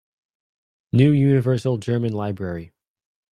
New Universal German Library